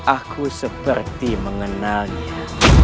aku seperti mengenalnya